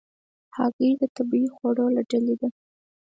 هګۍ د طبیعي خوړو له ډلې ده.